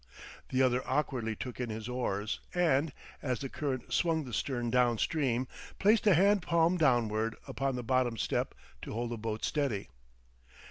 The other awkwardly took in his oars and, as the current swung the stern downstream, placed a hand palm downward upon the bottom step to hold the boat steady.